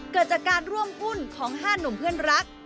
เกิดจากการร่วมหุ้นของ๕หนุ่มเพื่อนรัก